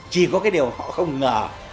chỉ có cái điều họ không ngờ